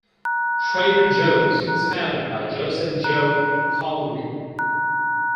Trader Joe's was founded by Joseph "Joe" Coulombe.